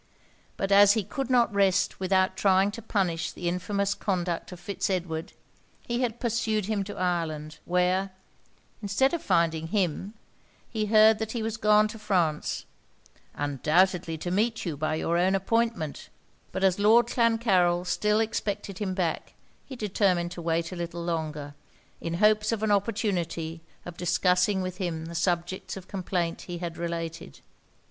But as he could not rest without trying to punish the infamous conduct of Fitz Edward, he had pursued him to Ireland, where, instead of finding him, he heard that he was gone to France, undoubtedly to meet you, by your own appointment; but as Lord Clancarryl still expected him back, he determined to wait a little longer, in hopes of an opportunity of discussing with him the subjects of complaint he had related.